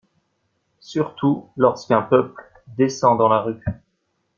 Surtout lorsqu’un peuple “descend dans la rue”.